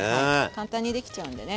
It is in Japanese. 簡単にできちゃうんでね。